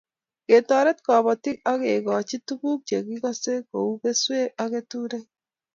Ketoret kobotik akegoch tuguk che kikose kou keswek ak keturek